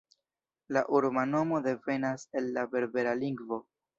La urba nomo devenas el la berbera lingvo.